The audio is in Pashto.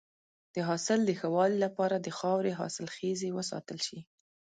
د حاصل د ښه والي لپاره د خاورې حاصلخیزی وساتل شي.